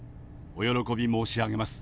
お喜び申し上げます。